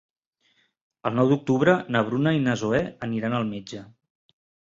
El nou d'octubre na Bruna i na Zoè aniran al metge.